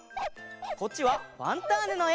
こっちは「ファンターネ！」のえ。